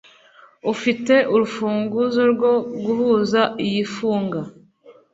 Ufite urufunguzo rwo guhuza iyi funga?